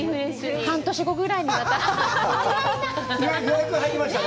半年後ぐらいに、また。